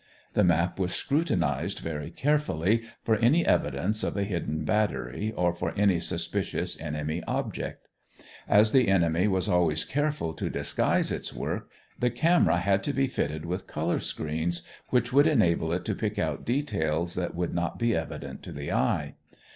The map was scrutinized very carefully for any evidence of a hidden battery or for any suspicious enemy object. As the enemy was always careful to disguise its work, the camera had to be fitted with color screens which would enable it to pick out details that would not be evident to the eye.